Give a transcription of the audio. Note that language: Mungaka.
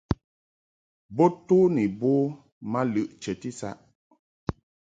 Bo to ni bo ma lɨʼ chəti saʼ.